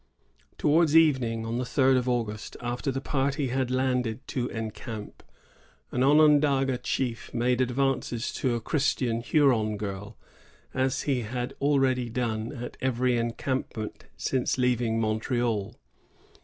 Towards evening on the third of August, after the party had landed to encamp, an Onondaga chief made advances to a Christian Huron girl, as he had already done at every encampment since leaving Montreal.